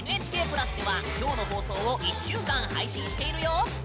「ＮＨＫ＋」ではきょうの放送を１週間配信しているよ。